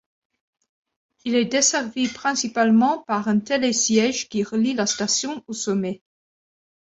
Il est desservi principalement par un télésiège qui relie la station au sommet.